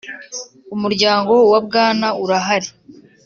Umuryango wa Bwana urahari.